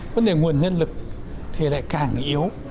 vấn đề nguồn nhân lực thì lại càng yếu